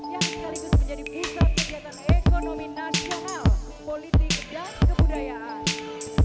yang sekaligus menjadi pusat kegiatan ekonomi nasional politik dan kebudayaan